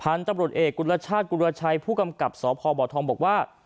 พันธุ์จับรถเอกกุฎละชาติกุฎละชัยผู้กำกับสพบบอกว่า